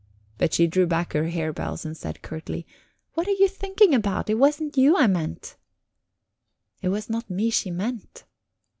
But she drew back her harebells and said curtly: "What are you thinking about? It was not you I meant." It was not me she meant!